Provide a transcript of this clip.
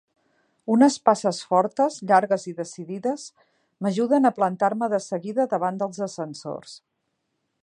Unes passes fortes, llargues i decidides m'ajuden a plantar-me de seguida davant dels ascensors.